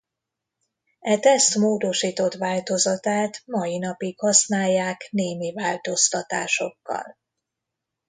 E teszt módosított változatát mai napig használják némi változtatásokkal.